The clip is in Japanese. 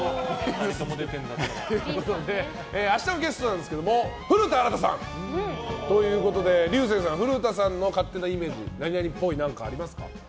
明日のゲストなんですが古田新太さん。ということで竜星さん古田さんの勝手なイメージ何々っぽいはありますか？